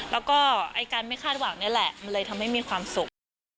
แล้วก็การไม่คาดหวังนี่แหละมันเลยทำให้มีความสุข